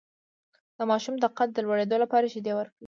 د ماشوم د قد د لوړیدو لپاره شیدې ورکړئ